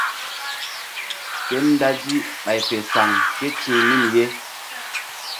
Ke dazi bay fe saŋ kéti̧h nun ye.